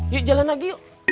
yuk jalan lagi yuk